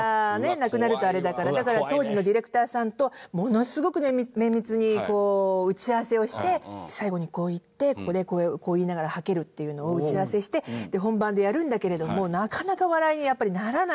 だから当時のディレクターさんとものすごく最後にこう言ってここでこう言いながらハケるっていうのを打ち合わせしてで本番でやるんだけれどもなかなか笑いにやっぱりならない。